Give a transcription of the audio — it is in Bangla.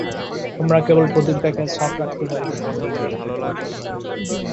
আমরা কেবল প্রদীপটাকে সাফ রাখতে পারি।